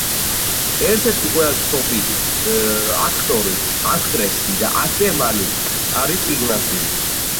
წარმოადგენს მსოფლიოში ერთ-ერთ ყველაზე მაღლა მდებარე გზას.